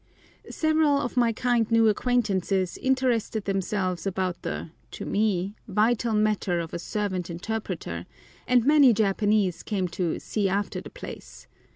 Several of my kind new acquaintances interested themselves about the (to me) vital matter of a servant interpreter, and many Japanese came to "see after the place."